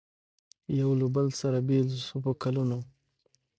یو له بله سره بېل سو په کلونو